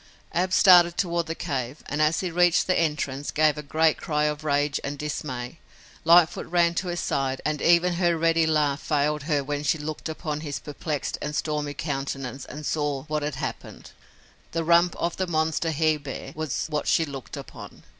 Ab started toward the cave, and as he reached the entrance, gave a great cry of rage and dismay. Lightfoot ran to his side and even her ready laugh failed her when she looked upon his perplexed and stormy countenance and saw what had happened. The rump of the monster he bear was what she looked upon.